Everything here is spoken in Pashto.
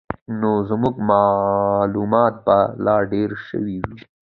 نو زموږ معلومات به لا ډېر شوي وو.